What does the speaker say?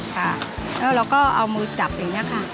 ค่ะแล้วเราก็เอามือจับอย่างนี้ค่ะ